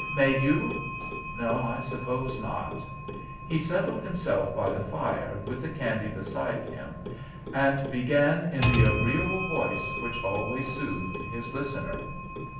May you? No, I suppose not." He settled himself by the fire, with the candy beside him, and began in the agreeable voice which always soothed his listener.